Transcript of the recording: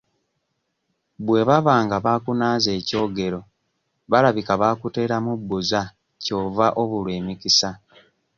Bwe baba nga baakunaaza ekyogero balabika baakuteramu bbuza ky'ova obulwa emikisa.